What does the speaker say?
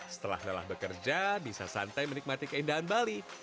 setelah lelah bekerja bisa santai menikmati keindahan bali